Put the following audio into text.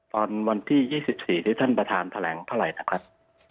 ตอนวันที่๒๔ที่ท่านประธานแถลงเท่าไหร่นะครับ